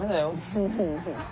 フフフフ。